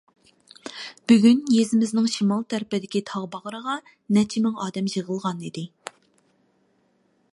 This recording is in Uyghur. بۈگۈن يېزىمىزنىڭ شىمال تەرىپىدىكى تاغ باغرىغا نەچچە مىڭ ئادەم يىغىلغان ئىدى.